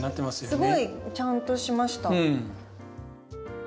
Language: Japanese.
すごいちゃんとしました。